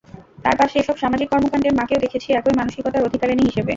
তাঁর পাশে এসব সামাজিক কর্মকাণ্ডে মাকেও দেখেছি একই মানসিকতার অধিকারিণী হিসেবে।